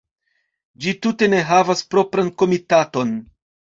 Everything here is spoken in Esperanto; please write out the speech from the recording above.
Ĝi tute ne havas propran komitaton.